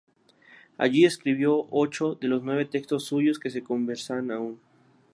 Allí escribió ocho de los nueve textos suyos que se conservan aún.